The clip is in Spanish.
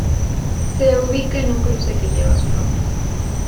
Se ubica en un cruce que lleva su nombre.